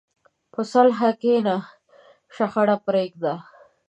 په صلح کښېنه، شخړه پرېږده.